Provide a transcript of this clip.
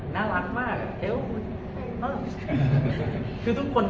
น่ารักมากแบบเฮ้ยเฮ้ยเฮ้ย